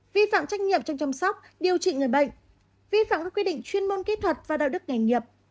vi phạm trách nhiệm trong chăm sóc điều trị người bệnh vi phạm các quy định chuyên môn kỹ thuật và đạo đức nghề nghiệp